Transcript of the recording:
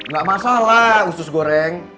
gak masalah khusus goreng